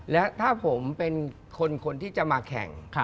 และถ้าผมเป็นคนที่จะมาแข่ง